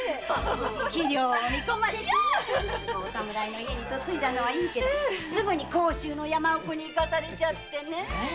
器量を見込まれてお侍の家に嫁いだのはいいけどすぐに甲州の山奥に行かされちゃって。ねぇ！